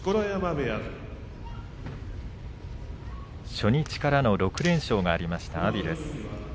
初日からの６連勝がありました、阿炎です。